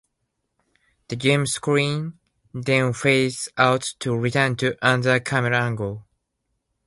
The game screen then fades out to return to another camera angle.